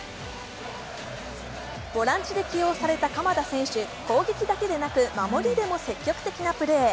ボランチで起用された鎌田選手、攻撃だけでなく守りでも積極的プレー。